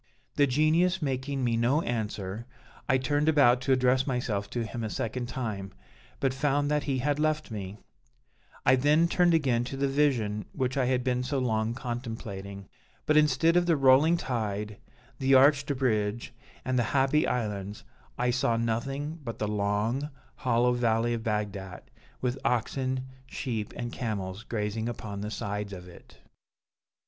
"The Genius making me no answer, I turned about to address myself to him a second time, but found that he had left me; I then turned again to the Vision which I had been so long contemplating; but instead of the rolling tide, the arched bridge, and the happy islands, I saw nothing but the long, hollow valley of Bagdat, with oxen, sheep, and camels grazing upon the sides of it."